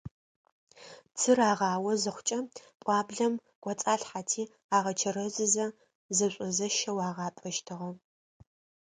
Цыр агъао зыхъукӏэ, пӏуаблэм кӏоцӏалъхьэти, агъэчэрэзызэ зэшъо-зэщэу агъапӏэщтыгъэ.